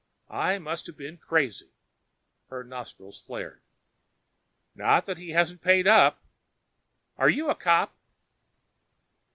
I must have been crazy." Her nostrils flared. "Not that he hasn't paid up. Are you a cop?"